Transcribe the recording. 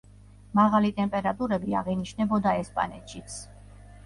მაღალი ტემპერატურები აღინიშნებოდა ესპანეთშიც.